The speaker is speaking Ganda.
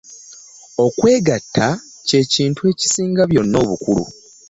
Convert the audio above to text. Okwegatta kye kintu ekisinga byonna obukulu.